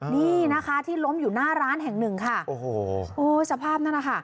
นี่นะคะที่ล้มอยู่หน้าร้านแห่งหนึ่งค่ะโอ้โหโอ้สภาพนั่นนะคะ